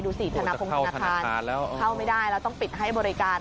สิธนาพงธนาคารเข้าไม่ได้แล้วต้องปิดให้บริการ